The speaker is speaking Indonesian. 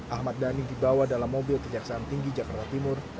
ahmad dhani dibawa dalam mobil kejaksaan tinggi jakarta timur